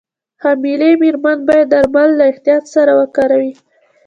حاملې مېرمنې باید درمل له احتیاط سره وکاروي.